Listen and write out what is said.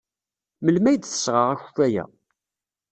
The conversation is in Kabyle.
Melmi ay d-tesɣa akeffay-a?